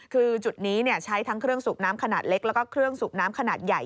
คือจุดนี้ใช้ทั้งเครื่องสูบน้ำขนาดเล็กแล้วก็เครื่องสูบน้ำขนาดใหญ่